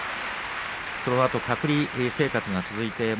そのあと隔離生活が続きました。